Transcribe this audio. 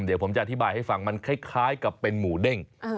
เดี๋ยวผมจะอธิบายให้ฟังมันคล้ายกับเป็นหมูเด้ง